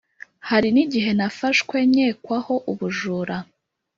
Hari n igihe nafashwe nkekwaho ubujura